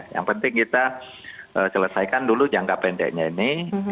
yang penting kita selesaikan dulu jangka pendeknya ini